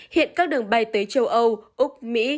hiện các đường bay tới châu âu úc mỹ